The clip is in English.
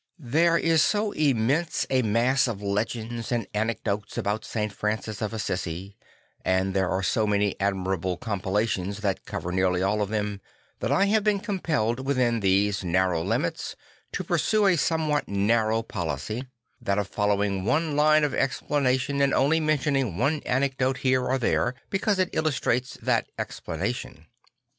There is so immense a mass of legends and anecdotes about St. Francis of Assisi, and there are so many admirable compilations that cover nearly all of them, that I have been compelled within these narrow limits to pursue a somewhat narrow policy; that of following one line of explanation and only mentioning one anecdote here or there because it illustrates that explana tion.